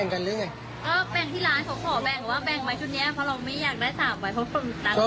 ๐๒ก็เลยเอามา